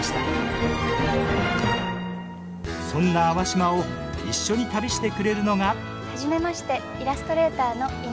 そんな粟島を一緒に旅してくれるのが。